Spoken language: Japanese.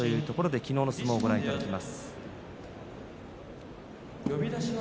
昨日の相撲をご覧いただきます。